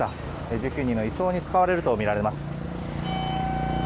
１９人の移送に使われるとみられます。